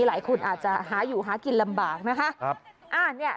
หลายคนอาจจะหาอยู่หากินลำบากนะคะ